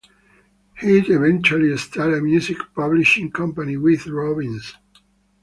He'd eventually start a music publishing company with Robbins.